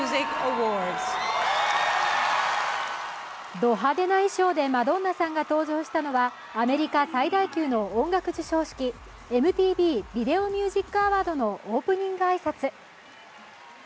ド派手な衣装でマドンナさんが登場したのはアメリカ最大級の音楽授賞式、ＭＴＶビデオミュージックアワードのオープニング挨拶。